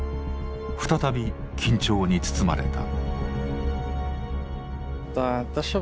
再び緊張に包まれた。